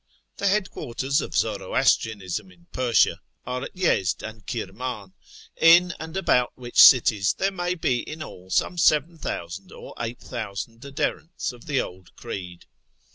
The headquarters of Zoroastrianism in Persia are at Yezd and Kirman, in and about which cities there may be in all some 7000 or 8000 adherents of the old creed.